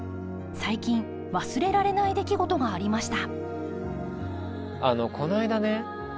最近忘れられない出来事がありました。